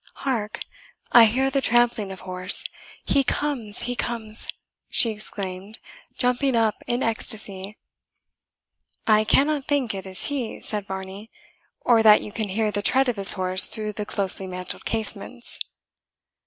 Hark! I hear the trampling of horse. He comes! he comes!" she exclaimed, jumping up in ecstasy. "I cannot think it is he," said Varney; "or that you can hear the tread of his horse through the closely mantled casements."